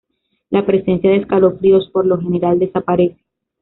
La presencia de escalofríos por lo general desaparece.